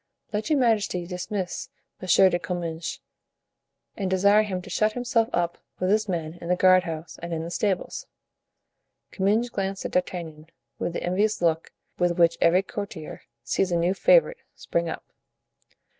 "Let your majesty dismiss M. de Comminges and desire him to shut himself up with his men in the guardhouse and in the stables." Comminges glanced at D'Artagnan with the envious look with which every courtier sees a new favorite spring up.